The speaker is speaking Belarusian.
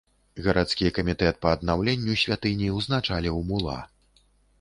Гарадскі камітэт па аднаўленню святыні ўзначаліў мула.